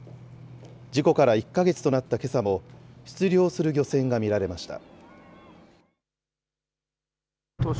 事故から１か月となったけさも、出漁する漁船が見られました。